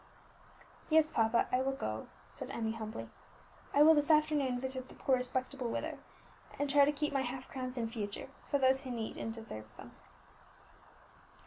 "Yes, papa, I will go," said Emmie humbly; "I will this afternoon visit the poor respectable widow, and try to keep my half crowns in future for those who need and deserve them."